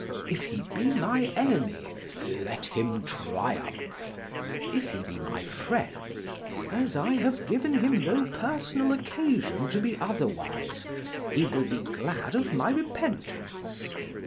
If he be my enemy, let him triumph; if he be my friend, as I have given him no personal occasion to be otherwise, he will be glad of my repentance.